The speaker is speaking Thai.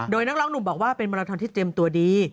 โดยนักร้องหนุ่มบอกว่าเป็นมาราทอนที่เตรียมตัวดี